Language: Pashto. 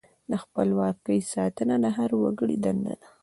د خپلواکۍ ساتنه د هر وګړي دنده ده.